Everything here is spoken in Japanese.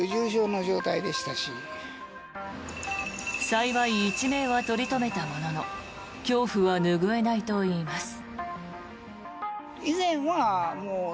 幸い、一命は取り留めたものの恐怖は拭えないといいます。